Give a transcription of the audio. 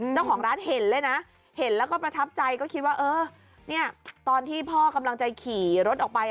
เจ้าของร้านเห็นเลยนะเห็นแล้วก็ประทับใจก็คิดว่าเออเนี่ยตอนที่พ่อกำลังจะขี่รถออกไป